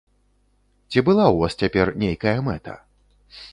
Ці была ў вас цяпер нейкая мэта?